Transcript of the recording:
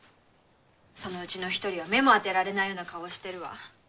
そのうちの１人は目も当てられないような顔をしてるわ。